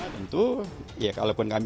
tentu ya kalau pun kami